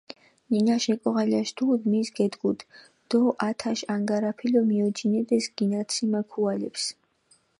ნინაშ ეკოღალაშ დუდი მის გედგუდჷ დო ათაშ ანგარაფილო მიოჯინედეს გინაციმა ქუალეფს.